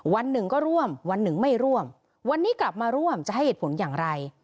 วันหนึ่งก็ร่วมวันหนึ่งไม่ร่วมวันนี้กลับมาร่วมจะให้เหตุผลอย่างไร